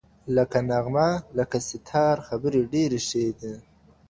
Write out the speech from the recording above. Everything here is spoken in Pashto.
لکه نغمه لکه سيتار خبري ډېري ښې دي